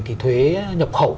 thì thuế nhập khẩu